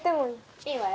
いいわよ。